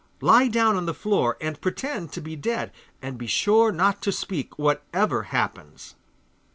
Lie down on the floor, and pretend to be dead, and be sure not to speak, whatever happens.